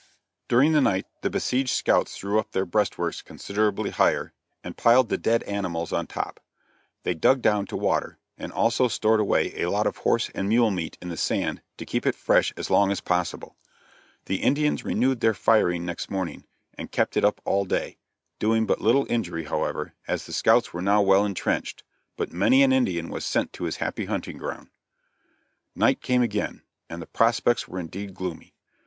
During the night the besieged scouts threw up their breastworks considerably higher and piled the dead animals on top. They dug down to water, and also stored away a lot of horse and mule meat in the sand to keep it fresh as long as possible. The Indians renewed their firing next morning, and kept it up all day, doing but little injury, however, as the scouts were now well entrenched; but many an Indian was sent to his happy hunting ground. [Illustration: BATTLE ON THE ARICKAREE] Night came again, and the prospects were indeed gloomy.